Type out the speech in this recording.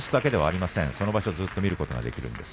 その場所ずっと見ることができます。